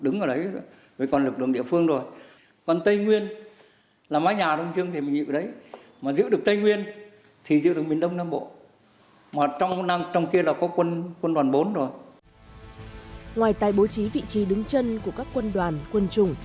ngoài tài bố trí vị trí đứng chân của các quân đoàn quân chủng